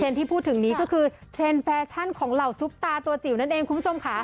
ที่พูดถึงนี้ก็คือเทรนด์แฟชั่นของเหล่าซุปตาตัวจิ๋วนั่นเองคุณผู้ชมค่ะ